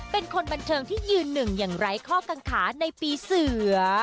เป็นคนบันเทิงที่ยืนหนึ่งอย่างไร้ข้อกังขาในปีเสือ